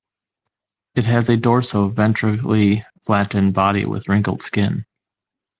It has a dorso-ventrally flattened body with wrinkled skin.